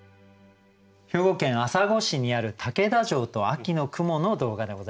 兵庫県朝来市にある竹田城と秋の雲の動画でございました。